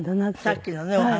さっきのねお花。